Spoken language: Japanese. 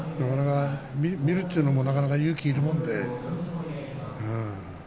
見るというのもなかなか勇気がいるもので。